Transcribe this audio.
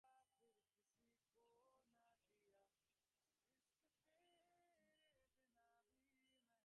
জাতিগত সংখ্যালঘুদের দমিয়ে রাখার বিষয়টি আয়ারল্যান্ডের জনগণ খুব সহজেই বুঝতে পারে।